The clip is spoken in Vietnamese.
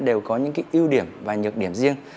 đều có những ưu điểm và nhược điểm riêng